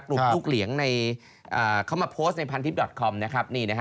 กลุ่มลูกเหลียงเขามาโพสต์ในพันทิพย์คอมนะครับ